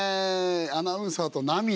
アナウンサーと涙。